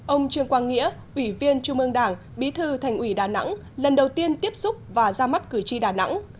ông trương quang nghĩa ủy viên trung ương đảng bí thư thành ủy đà nẵng lần đầu tiên tiếp xúc và ra mắt cử tri đà nẵng